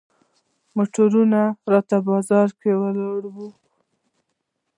موټروان راته بازار کې ولاړ و.